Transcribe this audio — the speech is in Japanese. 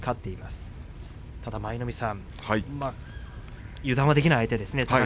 ただ舞の海さん油断はできない相手ですね。